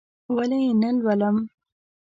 ولې یې نه لولم؟!